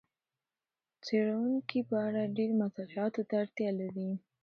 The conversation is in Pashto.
څېړونکي په اړه ډېرې مطالعاتو ته اړتیا لري.